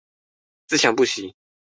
自強不息